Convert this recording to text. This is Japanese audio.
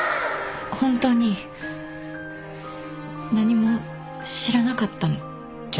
ホントに何も知らなかったの。